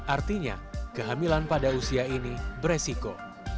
artinya kehamilan pada usia ini beresiko